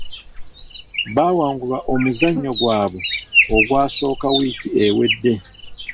Baawangulwa omuzannyo gwaabwe ogwasooka wiiki ewedde.